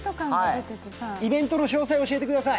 イベントの詳細を教えてください。